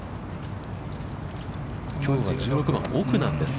きょうは１６番、奥なんです。